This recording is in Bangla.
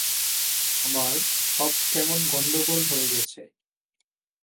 আমার সব কেমন গণ্ডগোল হয়ে গেছে।